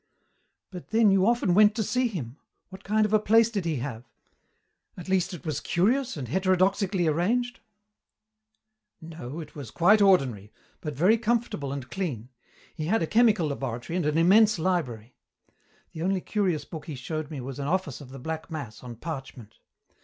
"But then you often went to see him. What kind of a place did he have? At least it was curious and heterodoxically arranged?" "No, it was quite ordinary, but very comfortable and clean. He had a chemical laboratory and an immense library. The only curious book he showed me was an office of the Black Mass on parchment.